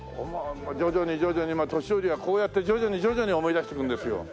徐々に徐々に年寄りはこうやって徐々に徐々に思い出していくんですよ。